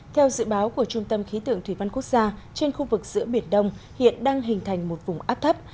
theo dự báo của trung tâm khí tượng thủy văn quốc gia trên khu vực giữa biển đông hiện đang hình thành một vùng áp thấp